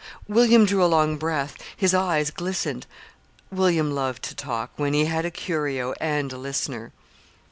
William drew a long breath. His eyes glistened. William loved to talk when he had a curio and a listener.